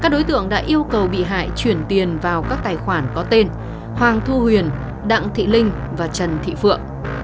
các đối tượng đã yêu cầu bị hại chuyển tiền vào các tài khoản có tên hoàng thu huyền đặng thị linh và trần thị phượng